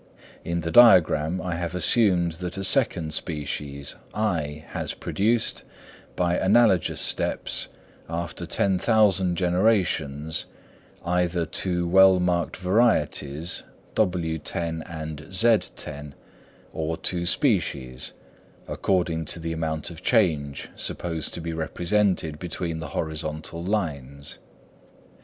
In the diagram I have assumed that a second species (I) has produced, by analogous steps, after ten thousand generations, either two well marked varieties (_w_10 and _z_10) or two species, according to the amount of change supposed to be represented between the horizontal lines.